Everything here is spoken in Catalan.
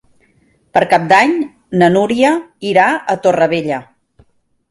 Per Cap d'Any na Núria irà a Torrevella.